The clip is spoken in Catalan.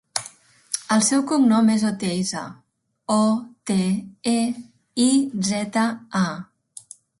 El seu cognom és Oteiza: o, te, e, i, zeta, a.